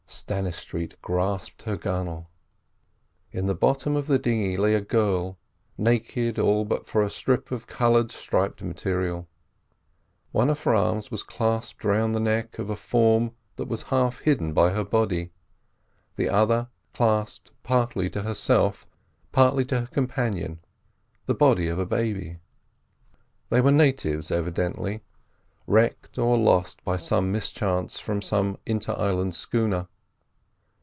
Stannistreet grasped her gunwale. In the bottom of the dinghy lay a girl, naked all but for a strip of coloured striped material. One of her arms was clasped round the neck of a form that was half hidden by her body, the other clasped partly to herself, partly to her companion, the body of a baby. They were natives, evidently, wrecked or lost by some mischance from some inter island schooner.